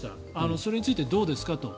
それについてどうですか？と。